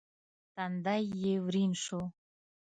تندی يې ورين شو.